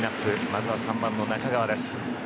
まずは３番の中川です。